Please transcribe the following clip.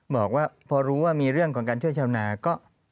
บอกว่าพอรู้ว่ามีเรื่องของการช่วยชาวนาก็